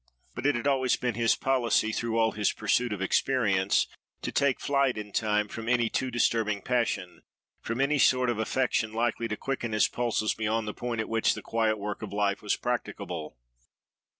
But it had always been his policy, through all his pursuit of "experience," to take flight in time from any too disturbing passion, from any sort of affection likely to quicken his pulses beyond the point at which the quiet work of life was practicable.